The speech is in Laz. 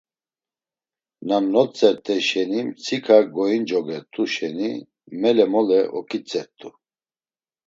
Na notzert̆ey şeni mtsika goincogert̆u şeni, mele mole oǩitzert̆u.